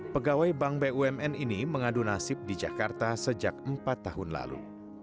pegawai bank bumn ini mengadu nasib di jakarta sejak empat tahun lalu